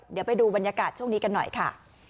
เดี๋ยวไปดูบรรยากาศช่วงนี้กันหน่อยค่ะ